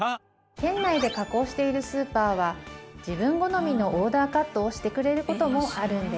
店内で加工しているスーパーは自分好みのオーダーカットをしてくれる事もあるんです。